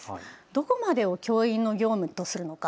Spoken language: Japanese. どこまでを教員の業務とするのか。